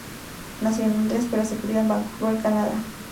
Nació en Londres, pero se crio en Vancouver, Canadá.